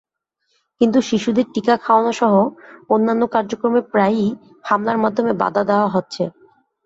কিন্তু শিশুদের টিকা খাওয়ানোসহ অন্যান্য কার্যক্রমে প্রায়ই হামলার মাধ্যমে বাধা দেওয়া হচ্ছে।